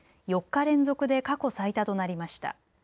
４日連続で過去最多となりました。